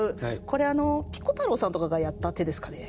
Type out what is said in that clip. これあのピコ太郎さんとかがやった手ですかね。